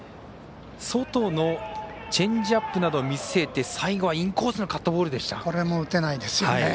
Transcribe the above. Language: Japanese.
外のチェンジアップなどを見せて最後はインコースのこれも打てないですよね。